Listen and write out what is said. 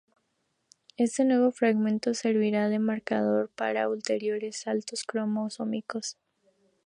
Este nuevo fragmento servirá de marcador para ulteriores saltos cromosómicos.